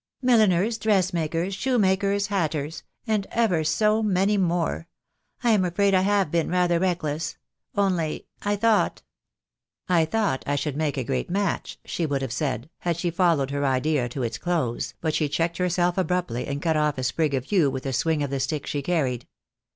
"Milliners, dressmakers, shoemakers, hatters — and ever so many more. I am afraid I have been rather reckless — only — I thought " "I thought I should make a great match," she would have said, had she followed her idea to its close, but she checked herself abruptly, and cut off a sprig of yew with a swing of the stick she carried.